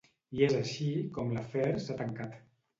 I és així com l’afer s’ha tancat.